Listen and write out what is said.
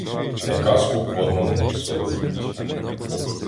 Не казку кормом солов'ять: